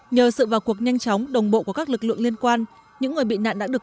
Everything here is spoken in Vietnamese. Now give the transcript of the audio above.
nhờ sự vào cuộc nhanh chóng đồng bộ của các lực lượng liên quan những người bị nạn đã được